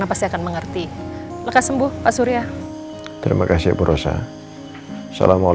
aku teh aja deh